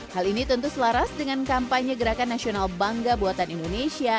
hal ini tentu selaras dengan kampanye gerakan nasional bangga buatan indonesia